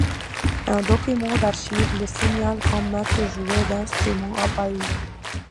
Un document d'archive le signale comme maître joueur d'instrument à Paris.